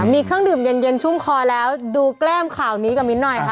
มีเครื่องดื่มเย็นชุ่มคอแล้วดูแก้มข่าวนี้กับมิ้นหน่อยค่ะ